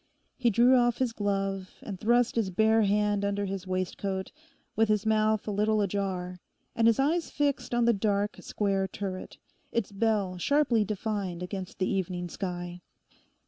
He drew off his glove and thrust his bare hand under his waistcoat, with his mouth a little ajar, and his eyes fixed on the dark square turret, its bell sharply defined against the evening sky.